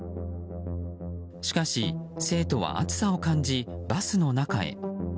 しかし、生徒は暑さを感じバスの中へ。